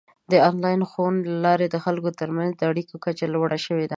د آنلاین ښوونې له لارې د خلکو ترمنځ د اړیکو کچه لوړه شوې ده.